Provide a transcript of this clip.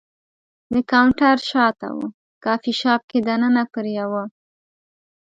د کاونټر شاته و، کافي شاپ کې دننه پر یوه.